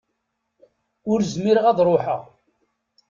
Ur zmireɣ ad ruḥeɣ.